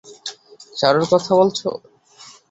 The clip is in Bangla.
চারুর কথা বলছো?